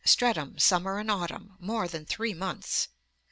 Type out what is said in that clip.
Streatham, summer and autumn; more than three months.